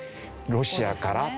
ロシアから。